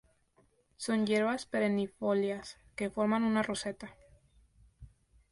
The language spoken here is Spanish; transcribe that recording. Son hierbas perennifolias que forman una roseta.